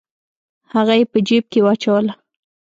هغه یې په جیب کې واچوله.